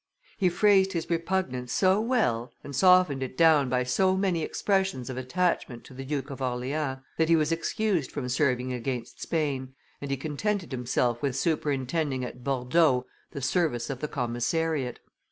He phrased his repugnance so well, and softened it down by so many expressions of attachment to the Duke of Orleans, that he was excused from serving against Spain, and he contented himself with superintending at Bordeaux the service of the commissariat.